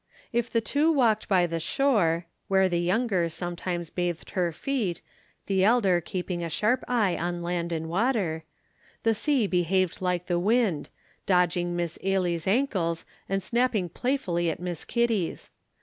If the two walked by the shore (where the younger sometimes bathed her feet, the elder keeping a sharp eye on land and water), the sea behaved like the wind, dodging Miss Ailie's ankles and snapping playfully at Miss Kitty's.